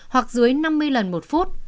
hoặc dưới năm mươi lần một phút